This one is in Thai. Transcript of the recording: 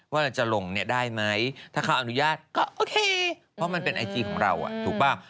ว่าเราจะลงเนี่ยได้ไหมถ้าเขาอนุญาตก็โอเคเพราะมันเป็นไอจีของเราถูกป่ะ